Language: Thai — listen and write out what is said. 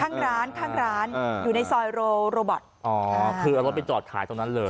ข้างร้านข้างร้านอยู่ในซอยโรโรบอตอ๋อคือเอารถไปจอดขายตรงนั้นเลย